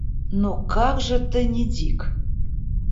Ну как же ты не дик?